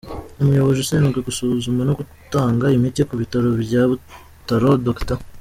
Umuyobozi ushinzwe gusuzuma no gutanga imiti ku bitaro bya Butaro, Dr.